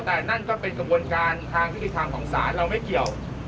แต่นั่นก็เป็นกระบวนการทางยุติธรรมของศาลเราไม่เกี่ยว